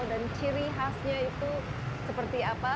dan ciri khasnya itu seperti apa